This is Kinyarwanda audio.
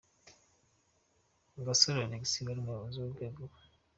Gasore Alexis wari umuyobozi w’urwego P.